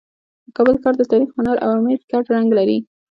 د کابل ښار د تاریخ، هنر او امید ګډ رنګ لري.